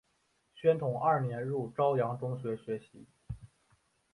宣统二年入邵阳中学学习。